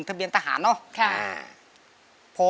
สวัสดีครับ